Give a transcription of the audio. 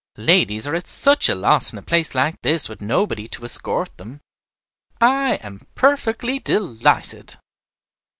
Ladies are at such a loss in a place like this with nobody to escort them. I am perfectly delighted."